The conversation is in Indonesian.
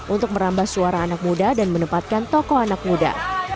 untuk merambah suara anak muda dan menempatkan tokoh anak muda